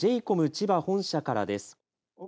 千葉本社からです。